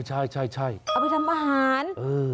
เอาไปทำอาหาร